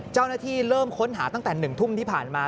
เจ้าหน้าที่เริ่มค้นหาตั้งแต่๑ทุ่มที่ผ่านมา